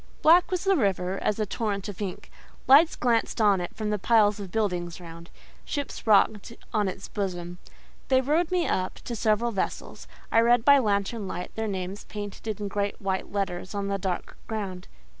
Black was the river as a torrent of ink; lights glanced on it from the piles of building round, ships rocked on its bosom. They rowed me up to several vessels; I read by lantern light their names painted in great white letters on a dark ground.